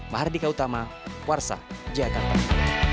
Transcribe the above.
mardika utama warsa jaya kampung